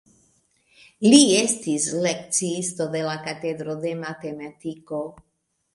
Li estis lekciisto de la katedro de matematiko.